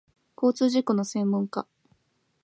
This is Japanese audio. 交通事故の専門家